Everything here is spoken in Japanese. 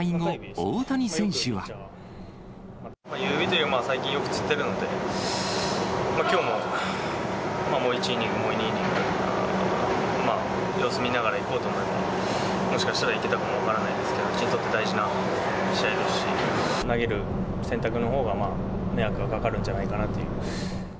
指は最近よくつっているので、きょうも、もう１イニング、もう２イニング、様子見ながらいこうと思えば、もしかしたらいけたかも分からないんですけど、うちにとって大事な試合ですし、投げる選択のほうが、まあ、迷惑がかかるんじゃないかなという。